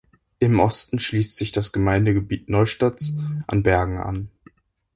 Im Osten schließt sich das Gemeindegebiet Neustadts an Bergen an.